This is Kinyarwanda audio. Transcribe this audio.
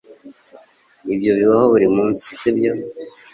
Ibyo bibaho buri munsi sibyo